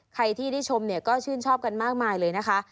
ใครที่ได้ชมเนี่ยก็ชื่นชอบกันมากมายเลยนะคะ